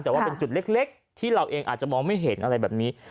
แต่ว่าเป็นจุดเล็กที่เราเองอาจจะมองไม่เห็นอะไรแบบนี้